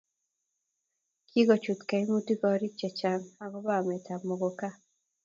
kikochut kaimutik korik chechang akobo amekab muguka